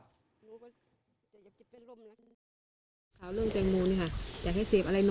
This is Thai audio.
พี่สาวของน้องข้าวหอมนะครับพี่สาวอยู่กับน้องนะครับ